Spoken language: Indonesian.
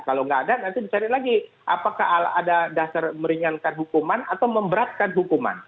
kalau nggak ada nanti dicari lagi apakah ada dasar meringankan hukuman atau memberatkan hukuman